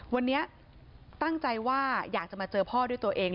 วันนี้ตั้งใจว่าอยากจะมาเจอพ่อด้วยตัวเอง